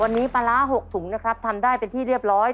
วันนี้ปลาร้า๖ถุงนะครับทำได้เป็นที่เรียบร้อย